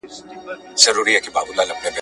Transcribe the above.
قاتل ورک دی له قاضي له عدالته !.